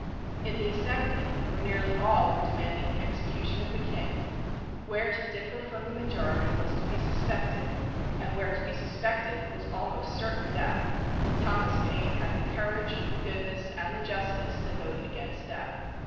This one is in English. In the Assembly, where nearly all were demanding the execution of the king where to differ from the majority was to be suspected, and where to be suspected was almost certain death, Thomas Paine had the courage, the goodness and the justice to vote against death.